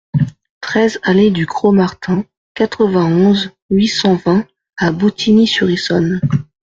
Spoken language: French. treize allée du Croc-Martin, quatre-vingt-onze, huit cent vingt à Boutigny-sur-Essonne